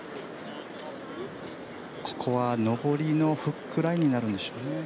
ここは上りのフックラインになるでしょうね。